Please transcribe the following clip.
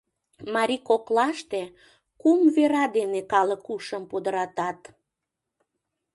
Марий коклаште кум вера дене калык ушым пудыратат.